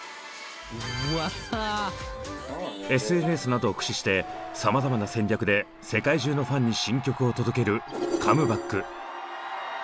ＳＮＳなどを駆使して様々な戦略で世界中のファンに新曲を届けるカムバック。